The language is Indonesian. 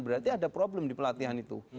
berarti ada problem di pelatihan itu